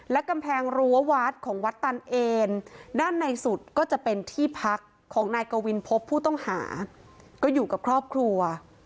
และกำแพงรั้ววัดของวัดตันเอนด้านในสุดก็จะเป็นที่พักของนายกวินพบผู้ต้องหาก็อยู่กับครอบครัว